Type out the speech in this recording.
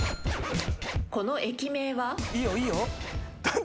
この駅名は？何だ？